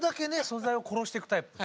素材を殺していくタイプ。